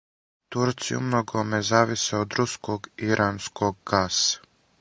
Турци умногоме зависе од руског и иранског гаса.